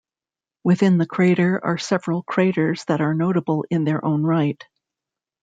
Within the crater are several craters that are notable in their own right.